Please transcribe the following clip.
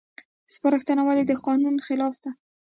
سپارښتنه ولې د قانون خلاف ده؟